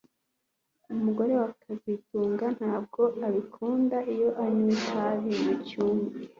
Umugore wa kazitunga ntabwo abikunda iyo anywa itabi mucyumba